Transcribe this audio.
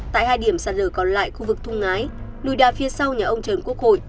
tại hai điểm sạt lở còn lại khu vực thung ngái lùi đa phía sau nhà ông trần quốc hội